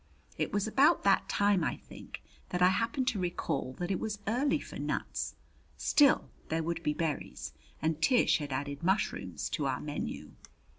It was about that time, I think, that I happened to recall that it was early for nuts. Still there would be berries, and Tish had added mushrooms to our menu.